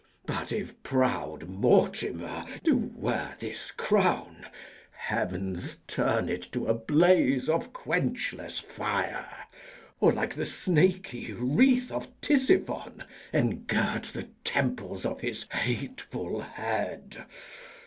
But, if proud Mortimer do wear this crown, Heavens turn it to a blaze of quenchless fire! Or, like the snaky wreath of Tisiphon, Engirt the temples of his hateful head!